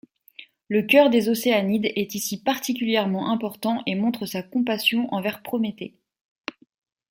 Le chœur des Océanides est ici particulièrement important et montre sa compassion envers Prométhée.